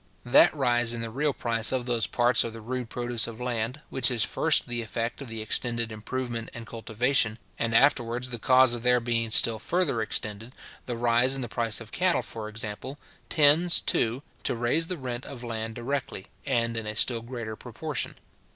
That rise in the real price of those parts of the rude produce of land, which is first the effect of the extended improvement and cultivation, and afterwards the cause of their being still further extended, the rise in the price of cattle, for example, tends, too, to raise the rent of land directly, and in a still greater proportion.